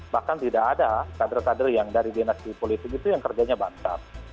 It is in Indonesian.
bahkan tidak ada kader kader yang dari dinasti politik itu yang kerjanya bantal